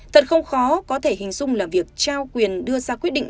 thật không khó có thể hình dung là việc trao quyền đưa ra quyết định